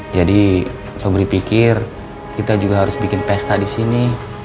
jadi sobri pikir kita juga harus bikin pesta disini